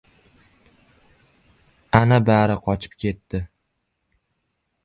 Ana, bari qochib ketdi!